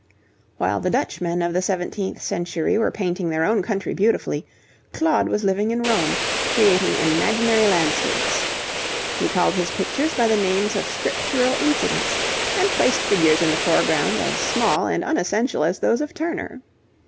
While the Dutchmen of the seventeenth century were painting their own country beautifully, Claude was living in Rome, creating imaginary landscapes. He called his pictures by the names of Scriptural incidents, and placed figures in the foreground as small and unessential as those of Turner.